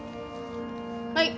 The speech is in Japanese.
はい。